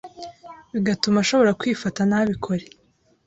bigatuma ashobora kwifata ntabikore